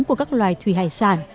của các loài thủy hải sản